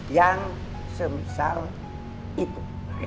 yang semisal itu